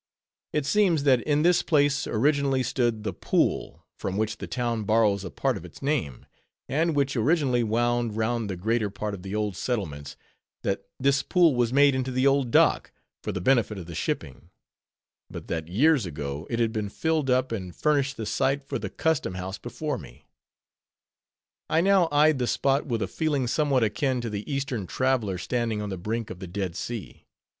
It seems that in this place originally stood the "pool," from which the town borrows a part of its name, and which originally wound round the greater part of the old settlements; that this pool was made into the "Old Dock," for the benefit of the shipping; but that, years ago, it had been filled up, and furnished the site for the Custom house before me. I now eyed the spot with a feeling somewhat akin to the Eastern traveler standing on the brink of the Dead Sea.